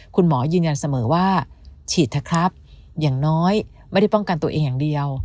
คุณหมอยืนยันเสมอว่าฉีดเถอะครับอย่างน้อยไม่ได้ป้องกันตัวเองอย่างเดียว